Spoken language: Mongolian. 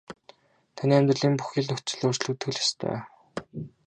Таны амьдралын бүхий л нөхцөл өөрчлөгдөх л ёстой.